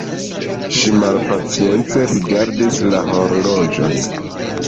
Ŝi malpacience rigardis la horloĝon.